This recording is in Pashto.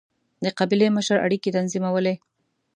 د قبیلې مشر اړیکې تنظیمولې.